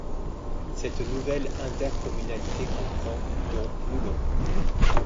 Cette nouvelle intercommunalité comprend dont Moulon.